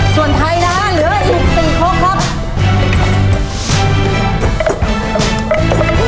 ส่วนไทยนะเหลืออีก๔คนครับ